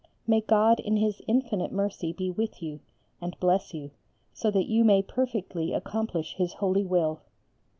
May God in His infinite mercy be with you and bless you so that you may perfectly accomplish His holy will.